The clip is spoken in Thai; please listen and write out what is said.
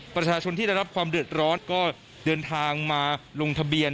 ประชาชนที่ได้รับความเดือดร้อนก็เดินทางมาลงทะเบียน